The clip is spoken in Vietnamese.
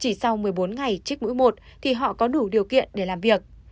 chỉ sau một mươi bốn ngày trích mũi một thì họ có đủ điều kiện để làm việc